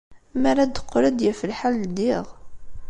Mi ara d-teqqel, ad t-yaf lḥal ddiɣ.